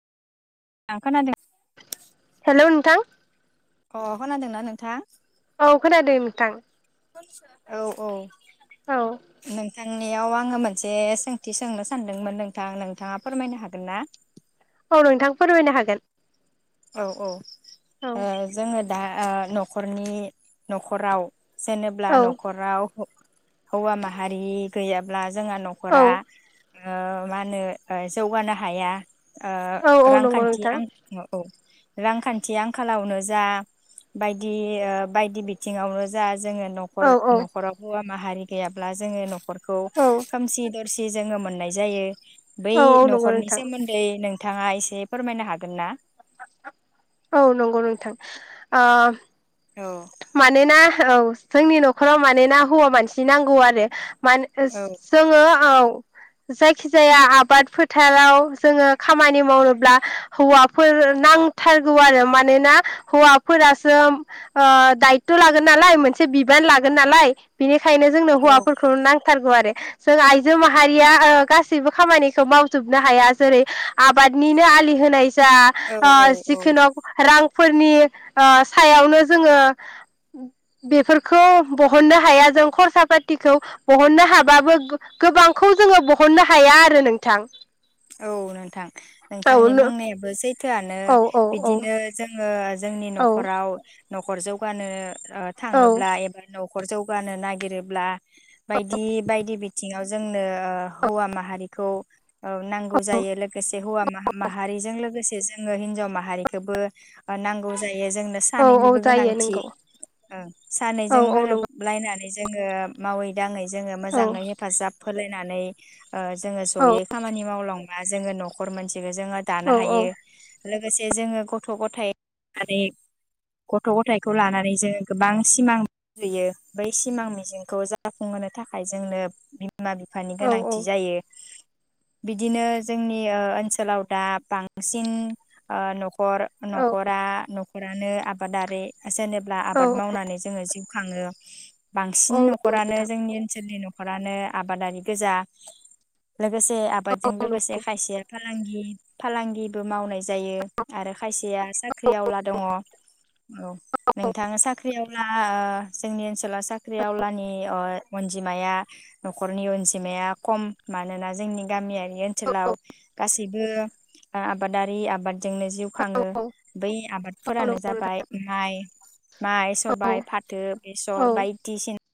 आं खोनादों हेल' नोंथां अ खोनादोंना नोंथाङा? औ खोनादों नोंथां औ औ औ थांनियाव आङो मोनसे सोंथि सोंनो सानदोंमोन नोंथां नोंथाङा फोरमायनो हागोन ना? नोंथांखौ फोरमायनो हागोन। औ औ ओ औ जोङो दा ओ न'खरनि न'खराव जेनेब्ला औ न'खराव हौवा माहारि गैयाब्ला जोंहा औ न'खरा ओ मा होनो ओ जौगानो हाया ओ औ औ नंगौ रांखान्थि नोंथां आं रांखान्थि आंखालावनो जा बायदि ओ बायदि बिथिङावनो जा जोङो औ न'खर औ न'खराव हौवा माहारि गैयाब्ला जोङो नखर खौ खुसि जोङो मोननाय जायो बै औ औ नंगौ न'खरनि नोंथां सोमोन्दै नों नोंथाङा एसे फोरमायनो हागोन ना औ नंगौ नोंथां औ मानोना औ जोंनि न'खराव मानोना हौवा मानसि नांगौ आरो माने औ जोङो औ जायखिजाया आबाद फोथाराव जोङो खामानि मावनोब्ला हौवाफोर नांथारगौ आरो मानोना हौवाफोरासो ओह दायथ' लागोन नालाय मोनसे बिबान लागोन नालाय बिनि खायनो जोंनो औ हौवाफोरखौ नांथारगौ आरो जों आइजो माहारिया ओ गासैबो खामानिखौ मावजोबनो हाया जेरै आबादनिनो आलि होनाय ज जा औ ओ औ औ जिखिनक रां फोरनि ओ सायावनो जोङो बेफोरखौ बहननो हाया जों खरसा पातिखौ बहननो हाबाबो गो गोबांखौ जोङो बहननो हाया आरो नोंथां औ नोंथां औ नोंथांनि औ बुंनायाबो सै थोआनो औ औ बिदिनो जोङो जोंनि औ न'खराव न'खर जौगानो ओ औ थाङोब्ला एबा न'खर जौगानो नागिरोब्ला बायदि बायदि बिथिङाव जोंनो ओ हौवा माहारिखौ ओ नांगौ जायो लोगोसे हौवा माहा माहारिजों लोगोसे जों जोंनो हिनजाव माहारिखोबो नांगौ जायो [unintelligible] जोंनो औ औ सानैनिबो जायो गोनांथि नंगौ ओ औ सानैजों औ नंगौ गोरोबलायना जोङो मावै दाङै जोङो औ मोजाङै हेफाजाब होलाय नानै ओ जोङो औ जयै खामानि मावलांबा जोङो न'खर मोनस सेखो जोङो दानो औ हायो लोगोसे जोङो गथ' गथाय लानानै गथ' गथायखौ लानानै जोङो गोबां सिमां रुजुयो बै सिमां मिजिंखौ जाफुंहोनो थाखाय जोंनो बिमा बिफानि गोनांथि जायो। बिदिनो जोंनि ओ ओनसोलाव दा बांसिन ओ न' खर औ न'खरा न'खरानो आबादारि जेनेब्ला औ आबाद मावनानै जोङो जिब खाङो बांसिन औ नंगौ न'खरानो नोंथां जोंनि ओनसोलनि न'खरानो आबादारि गोजा लोगोसे आबादजों औ नंगौ लोगोसे खायसेया था फालांगि फालांगिबो मावनाय जायो आरो खायसेया साख्रिआवला दङ औ नोंथाङा साख्रियाव ब्ला जोंनि ओन फिसाला साख्रि आवलानि अर अनजिमाया न'खरनि अनजिमाया खम मानोना जोंनि गामियारि नि ओनसोलाव गासैबो ओ आबादारि आबाद जोंनो जिउ खाङो बै औ आबादफोरानो नंगौ जाबाय माइ माइ, नोंथां सबाइ, फाथो, औ बेसर बायदिसिना